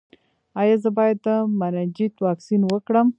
ایا زه باید د مننجیت واکسین وکړم؟